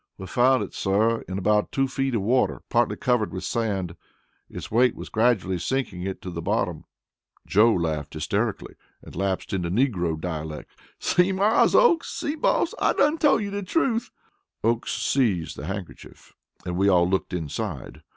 "We found it, sir, in about two feet of water, partly covered with sand. Its weight was gradually sinking it into the bottom." Joe laughed hysterically and lapsed into negro dialect: "See, Mars Oakes! see, boss! I dun tole you the truth." Oakes seized the handkerchief, and we all looked inside.